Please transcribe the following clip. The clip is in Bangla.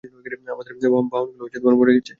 আমাদের বাহনগুলো মরে গেছে।